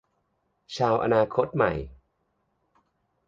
ชาวอนาคตใหม่